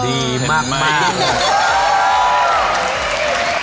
ดีมาก